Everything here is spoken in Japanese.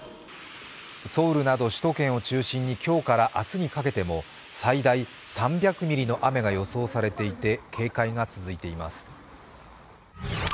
ソウルなど首都圏を中心に今日から明日にかけても最大３００ミリの雨が予想されていて警戒が続いています。